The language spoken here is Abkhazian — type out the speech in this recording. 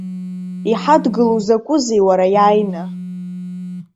Иҳадгылоу закәызеи, уара, иааины?